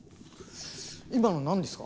今の何ですか？